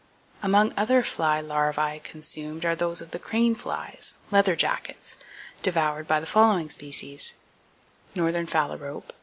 Among other fly larvae consumed are those of the crane flies (leather jackets) devoured by the following species: Northern phalarope (Lobipes lobatus).